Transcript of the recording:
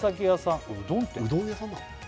うどん屋さんなの？